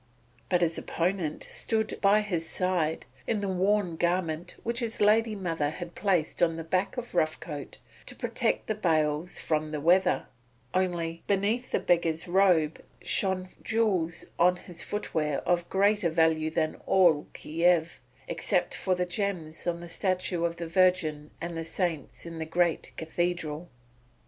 But his opponent stood by his side in the worn garment which his lady mother had placed on the back of Rough Coat to protect the bales from the weather; only, beneath this beggar's robe shone jewels on his footgear of value greater than that of all Kiev, except for the gems upon the statues of the Virgin and the Saints in the great cathedral.